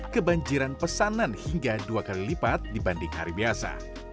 kebanjiran pesanan hingga dua kali lipat dibanding hari biasa